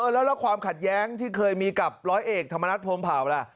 แล้วความขัดแย้งที่เคยมีกับร้อยเอกธรรมนัฐพรมเผาล่ะ